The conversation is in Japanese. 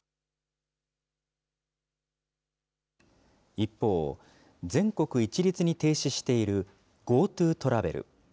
一方、全国一律に停止しているＧｏＴｏトラベル。